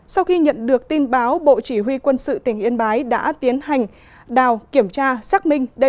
sau khi nhận được tin báo bộ chỉ huy quân sự tỉnh yên bái đã tiến hành đào kiểm tra xác minh